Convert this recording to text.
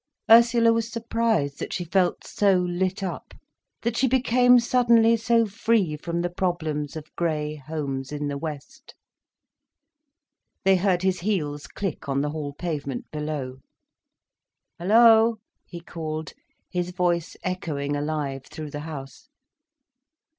Ursula was surprised that she felt so lit up, that she became suddenly so free from the problems of grey homes in the west. They heard his heels click on the hall pavement below. "Hello!" he called, his voice echoing alive through the house.